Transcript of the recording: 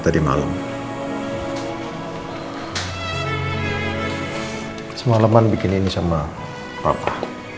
teman teman bikin ini sama papa